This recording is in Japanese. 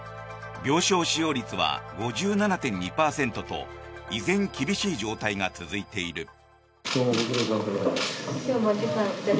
病床使用率は５７．２％と依然、厳しい状態が続いている。